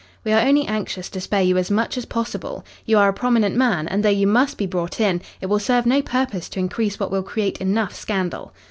"We are only anxious to spare you as much as possible. You are a prominent man, and though you must be brought in, it will serve no purpose to increase what will create enough scandal."